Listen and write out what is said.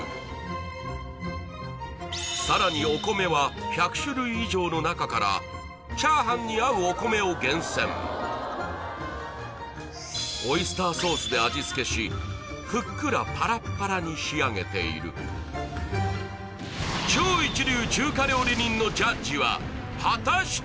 さらにお米は１００種類以上の中からチャーハンに合うお米を厳選オイスターソースで味付けしふっくらパラッパラに仕上げている果たして？